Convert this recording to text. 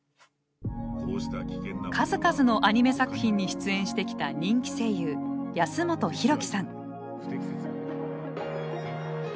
数々のアニメ作品に出演してきた人気声優安元洋貴さん。